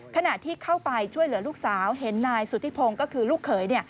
ขณะที่เข้าไปช่วยเหลือลูกสาวเห็นนายสุธิพงศ์ก็คือลูกเขย